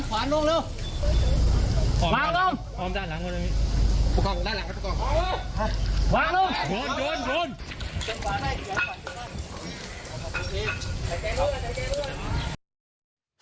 ขอบคุณพี่ใจใจเรื่อยใจใจเรื่อย